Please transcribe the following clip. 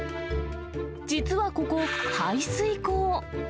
実はここ、排水溝。